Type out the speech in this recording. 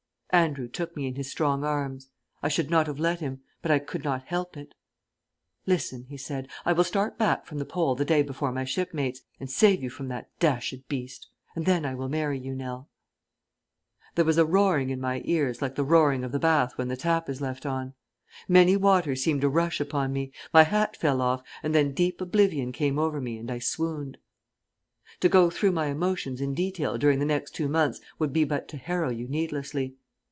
Andrew took me in his strong arms. I should not have let him, but I could not help it. "Listen," he said, "I will start back from the Pole a day before my shipmates, and save you from that d sh d beast. And then I will marry you, Nell." There was a roaring in my ears like the roaring of the bath when the tap is left on; many waters seemed to rush upon me; my hat fell off, and then deep oblivion came over me and I swooned. ..... To go through my emotions in detail during the next two months would be but to harrow you needlessly.